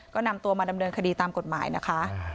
ก็นำตัวมาดำเนินคดีตามกฎหมายนะคะ